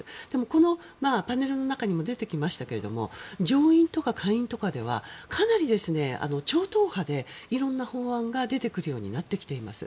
このパネルの中にも出てきましたが上院とか下院とかではかなり超党派で色んな法案が出てくるようになってきています。